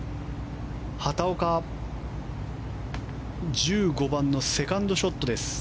畑岡、１５番のセカンドショットです。